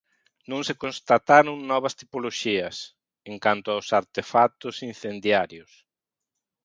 Non se constataron novas tipoloxías, en canto aos artefactos incendiarios.